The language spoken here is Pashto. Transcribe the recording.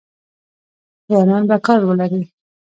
ځوانان به کار ولري؟